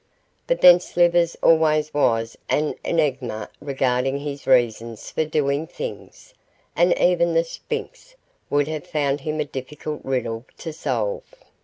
But then Slivers always was an enigma regarding his reasons for doing things, and even the Sphinx would have found him a difficult riddle to solve.